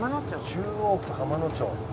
中央区浜野町。